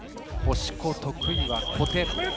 星子得意は小手。